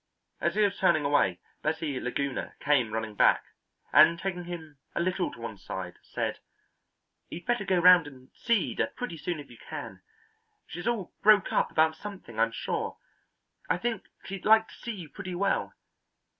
As he was turning away Bessie Laguna came running back, and taking him a little to one side said: "You'd better go round and see Ida pretty soon if you can. She's all broke up about something, I'm sure. I think she'd like to see you pretty well.